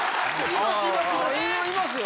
今いますよ。